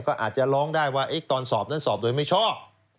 ก็อาจจะร้องได้ว่าตอนสอบนั้นสอบโดยไม่ชอบ